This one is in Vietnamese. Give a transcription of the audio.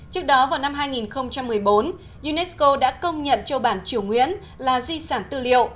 trước đó vào năm hai nghìn một mươi bốn unesco đã công nhận châu bản triều nguyễn là di sản tư liệu